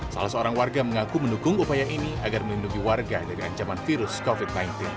salah seorang warga mengaku mendukung upaya ini agar melindungi warga dari ancaman virus covid sembilan belas